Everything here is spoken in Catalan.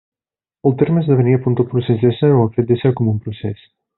El terme esdevenir apunta al procés d'ésser, o al fet d'ésser com un procés.